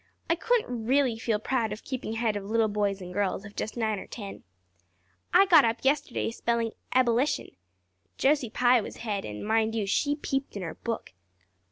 "I couldn't really feel proud of keeping head of little boys and girls of just nine or ten. I got up yesterday spelling 'ebullition.' Josie Pye was head and, mind you, she peeped in her book.